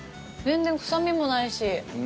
全然臭味もないし。